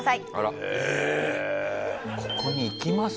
ここにいきます？